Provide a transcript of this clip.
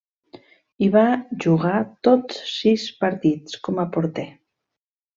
Hi va jugar tots sis partits com a porter.